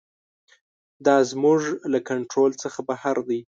دا زموږ له کنټرول څخه بهر دی.